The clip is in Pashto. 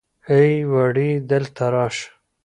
ای وړې دلته راشه.